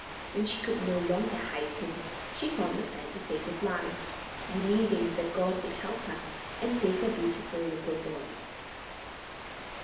When she could no longer hide him, she formed a plan to save his life; believing that God would help her and save her beautiful little boy.